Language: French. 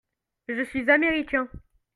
Je suis Américain.